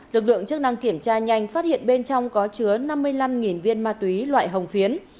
lực lượng chức năng kiểm tra nhanh phát hiện bên trong có chứa năm mươi năm viên ma túy loại hồng phiến